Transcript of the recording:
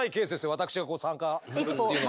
私が参加するっていうのは。